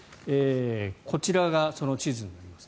こちらがその地図になります。